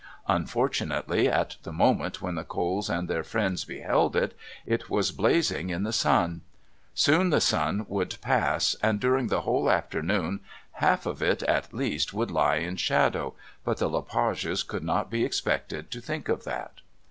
Unfortunately, at the moment when the Coles and their friends beheld it, it was blazing in the sun; soon the sun would pass and, during the whole afternoon, half of it at least would lie in shadow, but the Le Pages could not be expected to think of that.